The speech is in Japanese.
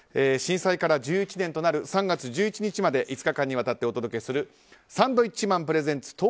震災から１１年となる３月１１日まで５日間にわたってお届けするサンドウィッチマンプレゼンツ